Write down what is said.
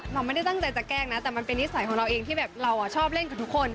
เราไม่ได้ตั้งใจจะแกล้งนะแต่มันเป็นนิสัยของเราเองที่แบบเราชอบเล่นกับทุกคน